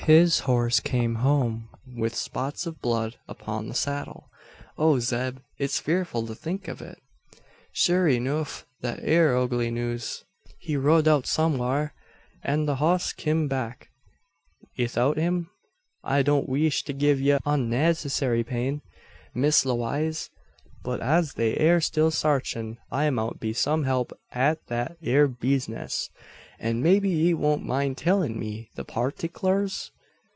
His horse came home, with spots of blood upon the saddle. O Zeb! it's fearful to think of it!" "Sure enuf that air ugly news. He rud out somewhar, and the hoss kim back 'ithout him? I don't weesh to gie ye unneedcessary pain, Miss Lewaze; but, as they air still sarchin' I mout be some help at that ere bizness; and maybe ye won't mind tellin' me the particklers?"